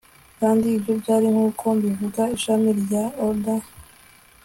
Kandi ibyo byari nkuko mbivuga ishami rya alder